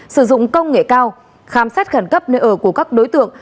sử dụng công nghệ cao khám xét khẩn cấp nơi ở của các đối tượng